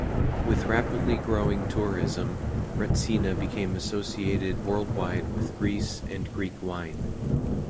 With rapidly growing tourism, retsina became associated worldwide with Greece and Greek wine.